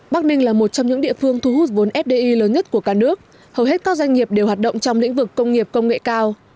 bắc ninh là một trong những địa phương thu hút vốn fdi lớn nhất của cả nước hầu hết các doanh nghiệp đều hoạt động trong lĩnh vực công nghiệp công nghệ cao